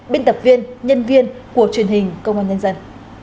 biên tập viên nhân viên của truyền hình công an nhân dân